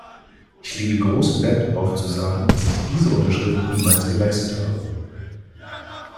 Ich lege großen Wert darauf zu sagen, dass ich diese Unterschrift niemals geleistet habe.